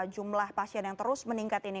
jumlah pasien yang terus meningkat ini